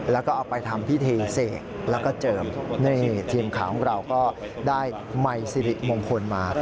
แล้วก็เอาไปทำพิธีเสกแล้วก็เจิมนี่ทีมข่าวของเราก็ได้ไมค์สิริมงคลมา